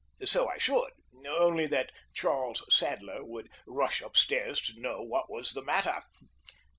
So I should, only that Charles Sadler would rush upstairs to know what was the matter.